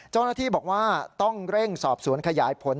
เจ้าหน้าที่บอกว่าต้องเร่งสอบสวนขยายผล